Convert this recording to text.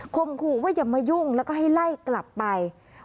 มขู่ว่าอย่ามายุ่งแล้วก็ให้ไล่กลับไป